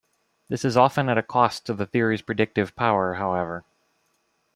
This is often at a cost to the theory's predictive power, however.